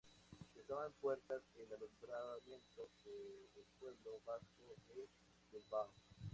Estaba en puertas el alumbramiento de El Pueblo Vasco, de Bilbao.